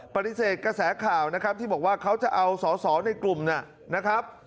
ปฏิเสธกระแสข่าวนะครับที่บอกว่าเขาจะเอาสอสอในกลุ่มนะครับ